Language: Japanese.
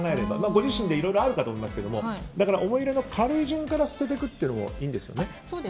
ご自身でいろいろあると思いますがだから思い入れの軽い順から捨てていくのもいいんですよね。